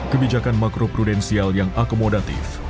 kebijakan makroprudensial yang akomodatif